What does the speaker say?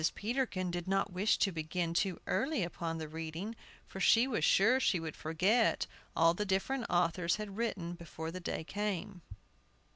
Peterkin did not wish to begin too early upon the reading, for she was sure she should forget all that the different authors had written before the day came.